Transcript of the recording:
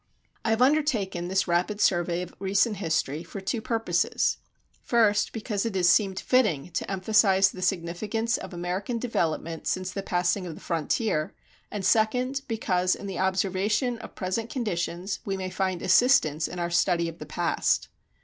I have undertaken this rapid survey of recent history for two purposes. First, because it has seemed fitting to emphasize the significance of American development since the passing of the frontier, and, second, because in the observation of present conditions we may find assistance in our study of the past.